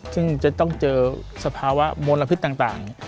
ซึ่งจะต้องเจอสภาวะมลพิษต่าง